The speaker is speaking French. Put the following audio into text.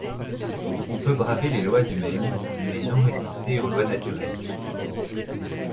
On peut braver les lois humaines, mais non résister aux lois naturelles.